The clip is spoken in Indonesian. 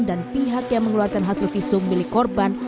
dan pihak yang mengeluarkan hasil visum milik korban